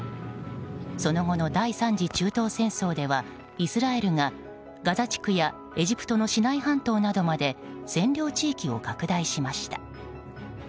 その後の第３次中東戦争ではイスラエルがガザ地区やエジプトのシナイ半島までもを占領地域を拡大しました。